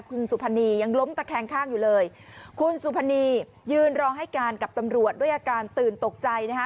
คุณสุพรรณียังล้มตะแคงข้างอยู่เลยคุณสุพรรณียืนรอให้การกับตำรวจด้วยอาการตื่นตกใจนะคะ